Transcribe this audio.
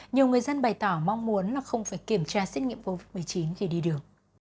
nhiều người dân bày tỏ mong muốn là không phải kiểm tra xét nghiệm covid một mươi chín khi đi đường